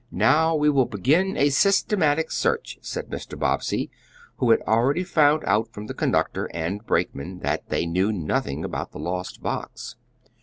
"Now, we will begin a systematic search," said Mr. Bobbsey, who had already found out from the conductor and brakeman that they knew nothing about the lost box.